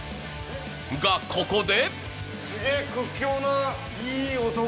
が、ここで。